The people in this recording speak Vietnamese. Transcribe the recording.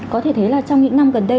có thể thấy là trong những năm gần đây